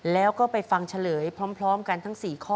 แล้วก็ไปฟังเฉลยพร้อมกันทั้ง๔ข้อ